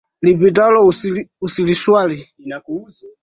Lipitalo, hupishwa